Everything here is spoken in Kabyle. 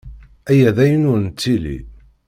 Aya d ayen ur nettili.